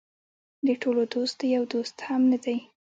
د ټولو دوست د یو دوست هم نه دی.